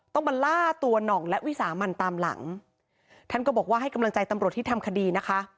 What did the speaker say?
ต้องมาล่าตัวหน่องและวิสามันตามหลังท่านก็บอกว่าให้กำลังใจตำรวจที่ทำคดีนะคะ